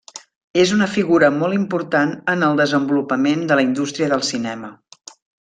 És una figura molt important en el desenvolupament de la indústria del cinema.